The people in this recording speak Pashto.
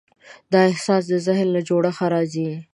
دا احساس د ذهن له جوړښت راځي.